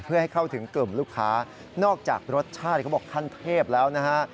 เพื่อให้เข้าถึงกลุ่มลูกค้านอกจากรสชาติเขาบอกขั้นเทพแล้วนะฮะ